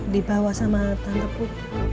dibawa sama tanteku